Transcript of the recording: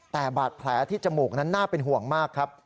แต่บาดแผลที่จมูกนั้นน่าเป็นห่วงมากครับ